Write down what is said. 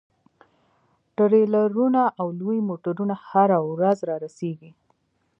ټریلرونه او لوی موټرونه هره ورځ رارسیږي